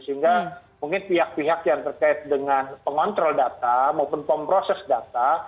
sehingga mungkin pihak pihak yang terkait dengan pengontrol data maupun pemproses data